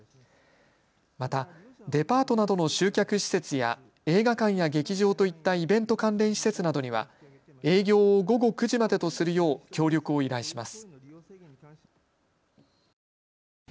またデパートなどの集客施設や映画館や劇場といったイベント関連施設などには営業を午後９時までとするよう協力を依頼します。